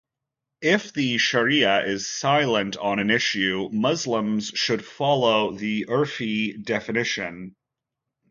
If the shariah is silent on an issue, Muslims should follow the 'Urfi definition.